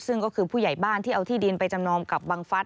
ซึ่งก็คือผู้ใหญ่บ้านที่เอาที่ดินไปจำนองกับบังฟัส